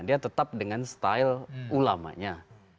dia tetap dengan style ulamanya